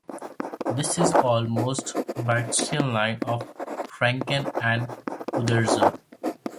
This is the almost Barksian line of Franquin and Uderzo.